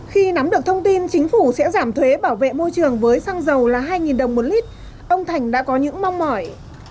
khi nắm được thông tin chính phủ sẽ giảm thuế bảo vệ môi trường với xăng dầu là hai đồng một lít ông thành đã có những mong mỏi